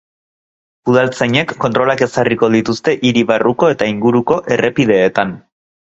Udaltzainek kontrolak ezarriko dituzte hiri barruko eta inguruko errepideetan.